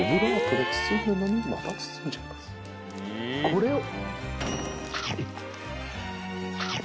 これを。